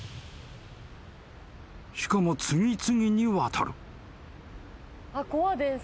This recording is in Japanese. ［しかも次々に渡る］